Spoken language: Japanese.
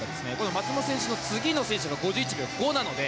松元選手の次の選手が５１秒５なので